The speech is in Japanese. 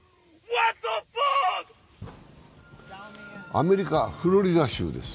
アメリカ・フロリダ州です。